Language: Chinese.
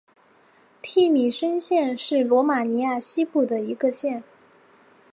蒂米什县是罗马尼亚西部的一个县。